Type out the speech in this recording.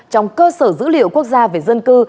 trong cơ sở dữ liệu quốc gia về dân cư